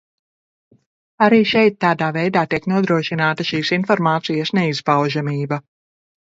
Arī šeit tādā veidā tiek nodrošināta šīs informācijas neizpaužamība.